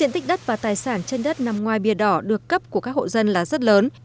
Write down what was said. diện tích đất và tài sản trên đất nằm ngoài bia đỏ được cấp của các hộ dân là rất lớn